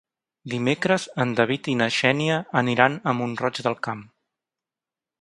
Dimecres en David i na Xènia aniran a Mont-roig del Camp.